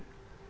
ada tren naik